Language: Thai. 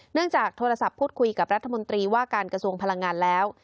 จากโทรศัพท์พูดคุยกับรัฐมนตรีว่าการกระทรวงพลังงานแล้ว